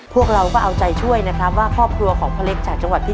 พวกเราก็เอาใจช่วยนะครับว่าครอบครัวของพ่อเล็กจากจังหวัดที่